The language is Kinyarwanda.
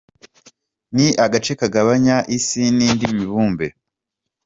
Ni agace kagabanya isi n’indi mibumbe .